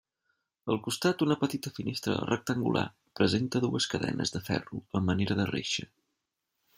Al costat, una petita finestra rectangular presenta dues cadenes de ferro a manera de reixa.